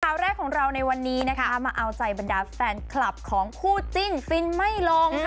ข่าวแรกของเราในวันนี้นะคะมาเอาใจบรรดาแฟนคลับของคู่จิ้นฟินไม่ลง